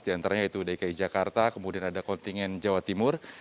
diantaranya itu dki jakarta kemudian ada kontingen jawa timur